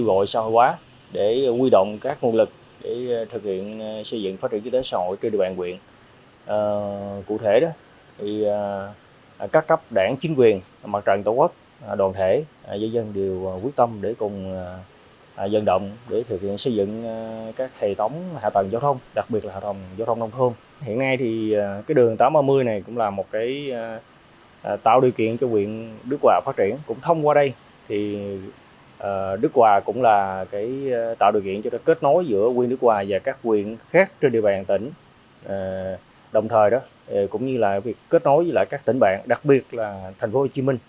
giao đoạn hai nghìn một mươi năm hai nghìn hai mươi huyện đức hòa đã quyết tâm kêu gọi xã hội hóa để nguy động các nguồn lực để thực hiện xây dựng phát triển kinh tế xã hội trên địa bàn huyện